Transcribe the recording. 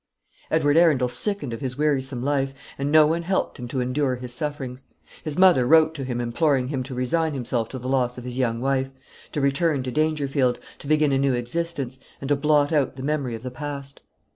Edward Arundel sickened of his wearisome life, and no one helped him to endure his sufferings. His mother wrote to him imploring him to resign himself to the loss of his young wife, to return to Dangerfield, to begin a new existence, and to blot out the memory of the past.